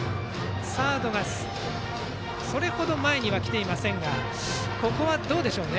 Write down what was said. サードがそれ程前には来ていませんがここは、どうでしょうね。